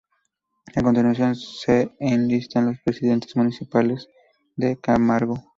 A continuación se en listan los presidentes municipales de Camargo.